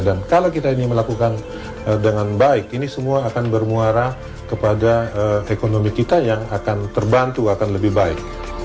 dan kalau kita ini melakukan dengan baik ini semua akan bermuara kepada ekonomi kita yang akan terbantu akan lebih baik